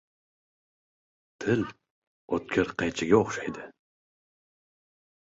• Til o‘tkir qaychiga o‘xshaydi.